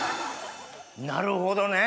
なるほどね！